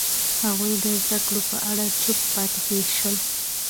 هغوی د زده کړو په اړه چوپ پاتې شول.